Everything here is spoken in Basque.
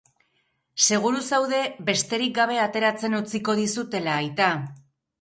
Seguru zaude besterik gabe ateratzen utziko dizutela, aita?